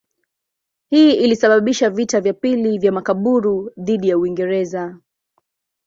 Hii ilisababisha vita vya pili vya Makaburu dhidi ya Uingereza.